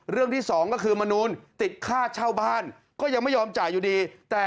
ที่สองก็คือมนูลติดค่าเช่าบ้านก็ยังไม่ยอมจ่ายอยู่ดีแต่